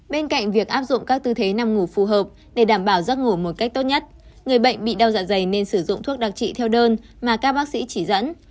bên cạnh việc áp dụng các tư thế nằm ngủ phù hợp để đảm bảo giấc ngủ một cách tốt nhất người bệnh bị đau dạ dày nên sử dụng thuốc đặc trị theo đơn mà các bác sĩ chỉ dẫn